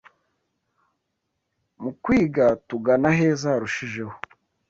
Mu kwiga tugana aheza harushijeho